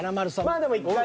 まあでも１回。